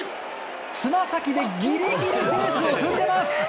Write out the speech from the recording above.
つま先でギリギリベースを踏んでいます。